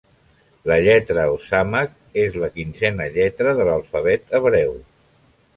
La lletra o sàmec és la quinzena lletra de l'alfabet hebreu.